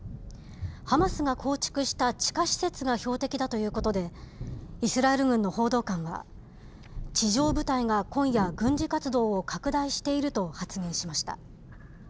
ハマスが構築した地下施設が標的だということで、イスラエル軍の報道官は、地上部隊が今夜、軍事活動を拡大していると発言しました。